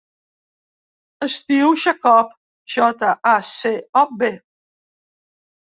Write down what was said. Es diu Jacob: jota, a, ce, o, be.